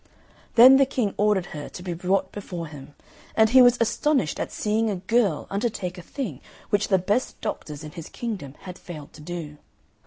Then the King ordered her to be brought before him, and he was astonished at seeing a girl undertake a thing which the best doctors in his kingdom had failed to do.